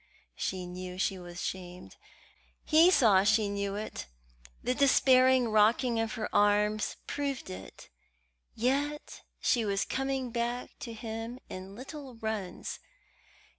She knew she was shamed. He saw she knew it: the despairing rocking of her arms proved it; yet she was coming back to him in little runs.